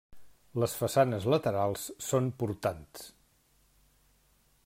Les façanes laterals són portants.